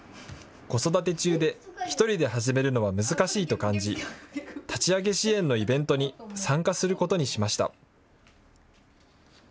子育て中で１人で始めるのは難しいと感じ、立ち上げ支援のイベントに参加することにしました。